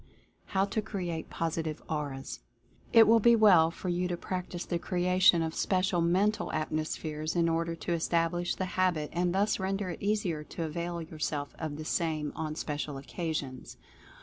HOW TO CREATE POSITIVE AURAS. It will be well for you to practice the creation of special mental Atmospheres in order to establish the habit and thus render it easier to avail yourself of the same on special occasions.